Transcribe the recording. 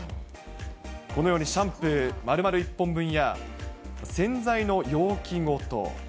このようにシャンプーまるまる１本分や、洗剤の容器ごと。